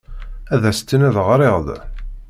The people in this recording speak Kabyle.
Ad as-tiniḍ ɣriɣ-d?